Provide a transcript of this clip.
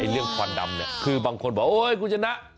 เรื่องควันดำเนี่ยคือบางคนบอกโอ๊ยคุณชนะ